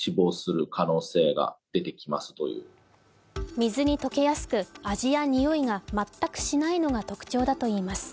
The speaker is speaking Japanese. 水に溶けやすく味やにおいが全くしないのが特徴だといいます。